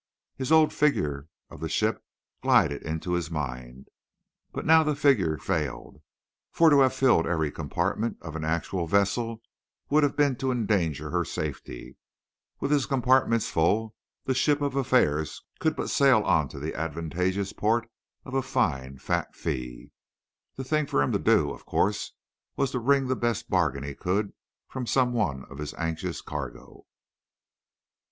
His old figure of the ship glided into his mind. But now the figure failed, for to have filled every compartment of an actual vessel would have been to endanger her safety; with his compartments full, his ship of affairs could but sail on to the advantageous port of a fine, fat fee. The thing for him to do, of course, was to wring the best bargain he could from some one of his anxious cargo.